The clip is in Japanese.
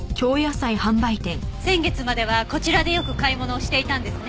先月まではこちらでよく買い物をしていたんですね？